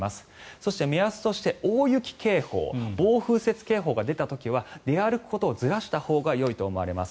そして、目安として大雪警報暴風雪警報が出た時は出歩くことをずらしたほうがよいと思われます。